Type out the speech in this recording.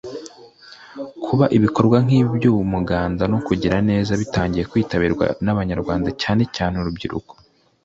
Kuba ibikorwa nk’ibi by’umuganda no kugira neza bitangiye kwitabirwa n’Abanyarwanda cyane cyane urubyiruko